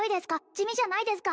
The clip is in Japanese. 地味じゃないですか？